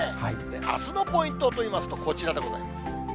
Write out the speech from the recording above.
あすのポイントといいますと、こちらです。